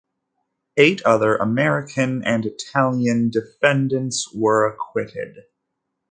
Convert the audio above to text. Eight other American and Italian defendants were acquitted.